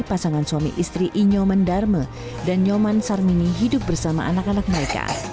pasangan suami istri inyo mendarma dan nyoman sarmini hidup bersama anak anak mereka